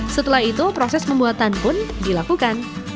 setelah itu proses pembuatan pun dilakukan